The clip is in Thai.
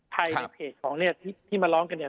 ใครในเพจของเรือขายที่มาร้องกัน